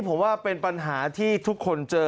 ผมว่าเป็นปัญหาที่ทุกคนเจอ